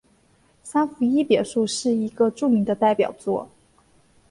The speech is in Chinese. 萨伏伊别墅是一个著名的代表作。